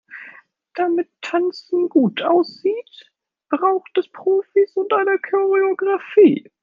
Damit Tanzen gut aussieht, braucht es Profis und eine Choreografie.